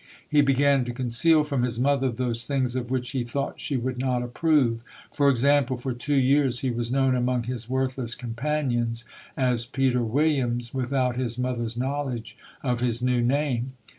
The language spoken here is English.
He began to con ceal from his mother those things of which he thought she would not approve. For example, for two years he was known among his worthless companions as Peter Williams, without his moth er's knowledge of his new name.